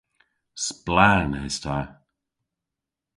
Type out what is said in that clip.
Splann es ta.